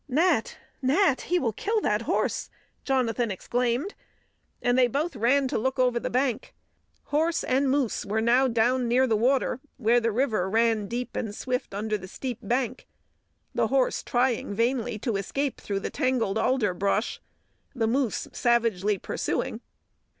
"Nat! Nat! He will kill that horse!" Jonathan exclaimed, and they both ran to look over the bank. Horse and moose were now down near the water, where the river ran deep and swift under the steep bank, the horse trying vainly to escape through the tangled alder brush, the moose savagely pursuing.